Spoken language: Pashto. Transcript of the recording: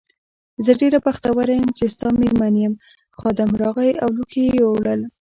زه ډېره بختوره یم چې ستا مېرمن یم، خادم راغی او لوښي یې یووړل.